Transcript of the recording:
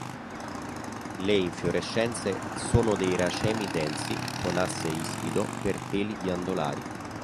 Le infiorescenze sono dei racemi densi con asse ispido per peli ghiandolari.